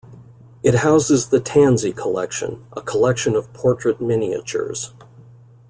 It houses the Tansey Collection, a collection of portrait miniatures.